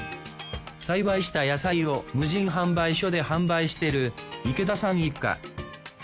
栽培した野菜を無人販売所で販売してる池田さん一家。